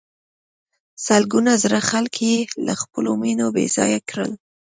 سلګونه زره خلک یې له خپلو مېنو بې ځایه کړل.